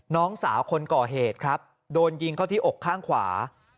น้องสาวคนก่อเหตุครับโดนยิงเข้าที่อกข้างขวา